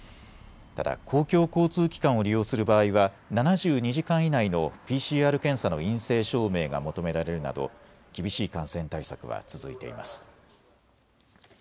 ただ公共交通機関を利用する場合は７２時間以内のＰＣＲ検査の陰性証明が求められるなど厳しい感染対策は続いています。